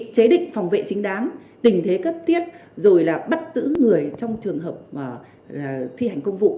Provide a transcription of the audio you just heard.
chế định phòng vệ chính đáng tình thế cấp tiết rồi là bắt giữ người trong trường hợp thi hành công vụ